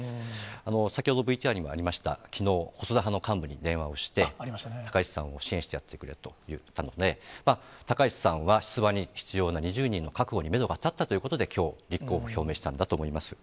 先ほど、ＶＴＲにもありました、きのう、細田派の幹部に電話をして、高市さんを支援してやってくれと言ったので、高市さんは出馬に必要な２０人の確保にメドが立ったということで、きょう、立候補を表明したんだと思います。